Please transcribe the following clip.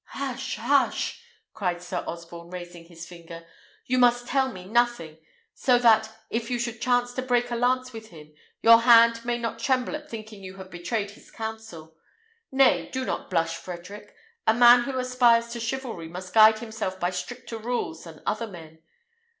"Hush, hush!" cried Sir Osborne, raising his finger; "you must tell me nothing; so that, if you should chance to break a lance with him, your hand may not tremble at thinking you have betrayed his counsel. Nay, do not blush, Frederick. A man who aspires to chivalry must guide himself by stricter rules than other men.